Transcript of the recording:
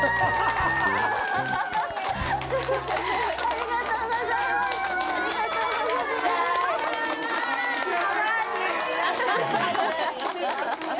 ありがとうございます！